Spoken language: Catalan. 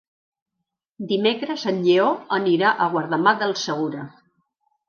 Dimecres en Lleó anirà a Guardamar del Segura.